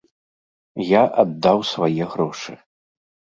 Я аддаў свае грошы.